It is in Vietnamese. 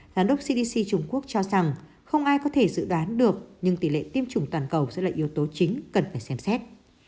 giám đốc cdc trung quốc cho rằng không ai có thể dự đoán được nhưng tỷ lệ tiêm chủng toàn cầu sẽ là yếu tố chính cần phải xem xét